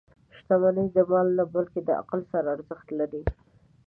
• شتمني د مال نه، بلکې د عقل سره ارزښت لري.